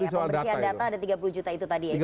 yang soal utama itu di soal data